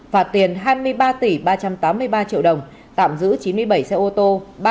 phạt tiền hai mươi ba tỷ ba trăm tám mươi ba triệu đồng tạm giữ chín mươi bảy xe ô tô